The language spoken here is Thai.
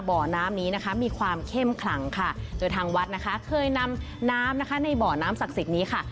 บ่อน้ำนี้นะคะมีความเข้มขลังค่ะโดยทางวัดนะคะเคยนำน้ำนะคะในบ่อน้ำศักดิ์สิทธิ์นี้ค่ะ